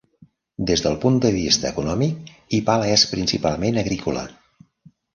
Des del punt de vista econòmic, Ipala és principalment agrícola.